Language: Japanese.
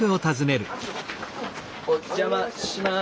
お邪魔します。